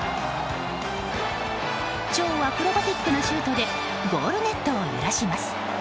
超アクロバティックなシュートでゴールネットを揺らします。